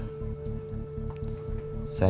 saya justru jadi curiga